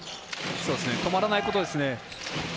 止まらないことですね。